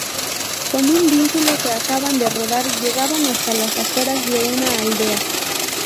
Con un vehículo que acaban de robar llegan hasta las afueras de una aldea.